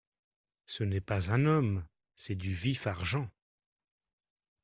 Ce n’est pas un homme, c’est du vif-argent !…